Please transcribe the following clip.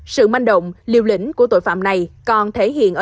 sự manh động liều lĩnh của tội phạm này còn thể hiện ở chỗ